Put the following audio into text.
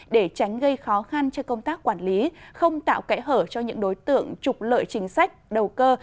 để tránh gây khó khăn cho công tác quản lý không tạo kẽ hở cho những đối tượng trục lợi chính sách đầu cơ